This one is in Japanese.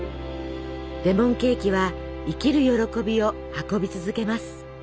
レモンケーキは生きる喜びを運び続けます。